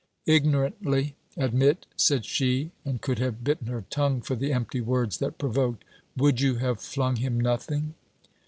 'Ignorantly, admit,' said she, and could have bitten her tongue for the empty words that provoked: 'Would you have flung him nothing?'